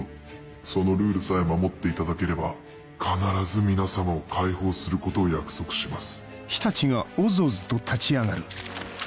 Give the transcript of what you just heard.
そのルールさえ守っていただければ必ず皆さまを解放することを約束します。